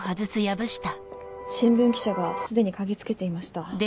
新聞記者が既に嗅ぎつけていました。